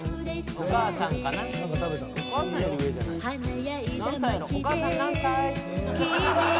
お母さん何歳。